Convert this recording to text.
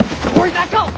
中を！